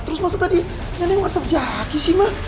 terus maksud tadi nenek ngeresep jaki sih ma